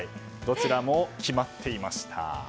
どちらも決まっていました。